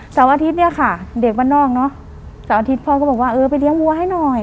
เสาร์อาทิตย์เนี่ยค่ะเด็กบ้านนอกเนอะเสาร์อาทิตย์พ่อก็บอกว่าเออไปเลี้ยงวัวให้หน่อย